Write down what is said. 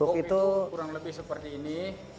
oh itu kurang lebih seperti ini